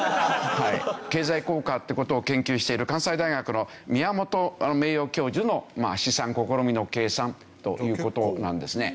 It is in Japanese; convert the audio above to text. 経済効果って事を研究している関西大学の宮本名誉教授の試算試みの計算という事なんですね。